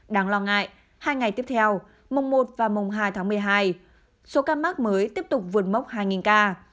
đáng lo ngại hai ngày tiếp theo mùng một và mùng hai tháng một mươi hai số ca mắc mới tiếp tục vượt mốc hai ca